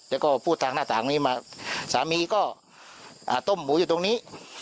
แล้วก็พูดทางหน้าต่างนี้มาสามีก็ต้มหมูอยู่ตรงนี้